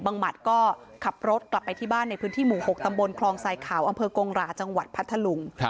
หมัดก็ขับรถกลับไปที่บ้านในพื้นที่หมู่๖ตำบลคลองทรายขาวอำเภอกงหราจังหวัดพัทธลุง